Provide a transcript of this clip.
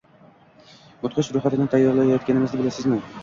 mudhish ro‘yxatini tayyorlayotganimizni bilamizmi?